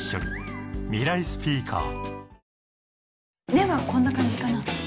目はこんな感じかな？